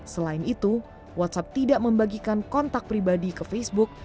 selain itu whatsapp tidak membagikan kontak pribadi ke facebook